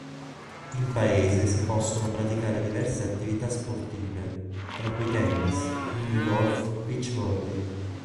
In paese si possono praticare diverse attività sportive, tra cui tennis, minigolf, beach volley.